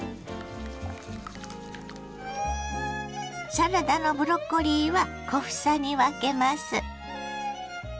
サラダのブロッコリーは小房に分けます。